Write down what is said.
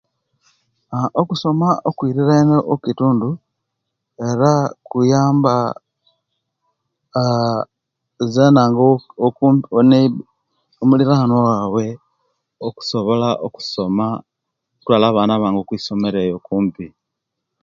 Aah okusoma okwirirane okitundu era kuyamba aah zena ngo ngo'wokumpi woneiba omulilwana waiwe okusobola okusoma okutwala abana bange kwisomero eyo okumpi